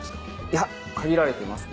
いや限られてます。